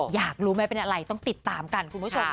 อยากรู้ไหมเป็นอะไรต้องติดตามกันคุณผู้ชม